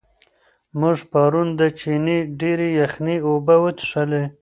موږ پرون د چینې ډېرې یخې اوبه وڅښلې.